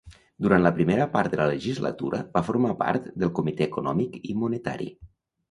Durant la primera part de la legislatura, va formar part del Comitè Econòmic i Monetari.